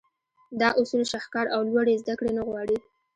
دا اصول شهکار او لوړې زدهکړې نه غواړي.